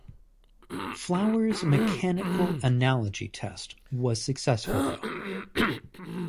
Flowers's mechanical analogy test was successful, though.